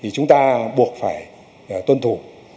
chúng ta buộc phải tuân thủ